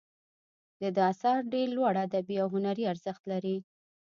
د ده آثار ډیر لوړ ادبي او هنري ارزښت لري.